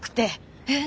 えっ？